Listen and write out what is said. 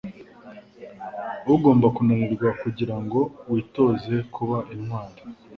Ugomba kunanirwa kugira ngo witoze kuba intwari. ”